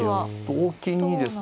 同金にですね